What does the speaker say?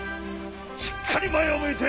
しっかりまえをむいて！